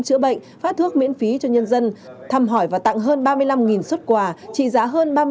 chữa bệnh phát thuốc miễn phí cho nhân dân thăm hỏi và tặng hơn ba mươi năm xuất quà trị giá hơn